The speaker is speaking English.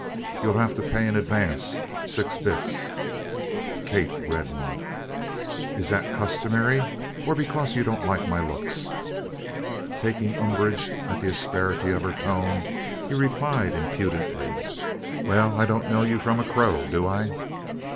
"You'll have to pay in advance. Six bits." Kate reddened. "Is that customary, or because you don't like my looks?" Taking umbrage at the asperity of her tone, he replied impudently: "Well I don't know you from a crow, do I?"